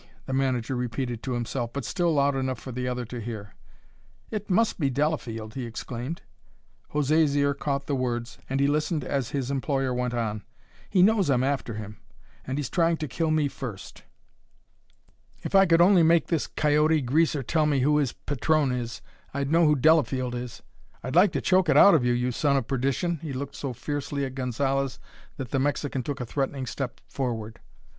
the manager repeated, to himself, but still loud enough for the other to hear. "It must be Delafield!" he exclaimed. José's ear caught the words, and he listened as his employer went on: "He knows I'm after him, and he's trying to kill me first. If I could only make this coyote greaser tell me who his patron is, I'd know who Delafield is. I'd like to choke it out of you, you son of perdition!" He looked so fiercely at Gonzalez that the Mexican took a threatening step forward.